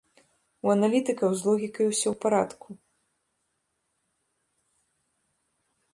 У аналітыкаў з логікай усё ў парадку.